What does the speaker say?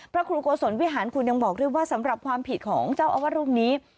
พระครูโกศลวิหารคุณยังบอกด้วยว่าสำหรับความผิดของเจ้าอาวาสรูปนี้